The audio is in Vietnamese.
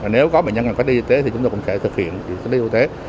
nếu có bệnh nhân cách ly y tế thì chúng tôi cũng sẽ thực hiện việc cách ly y tế